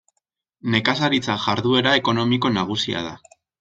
Nekazaritza jarduera ekonomiko nagusia da.